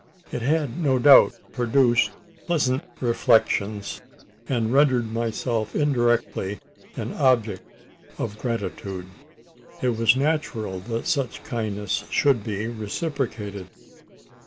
It had no doubt produced pleasant reflections; and rendered myself indirectly an object of gratitude. It was natural that such kindness should be reciprocated.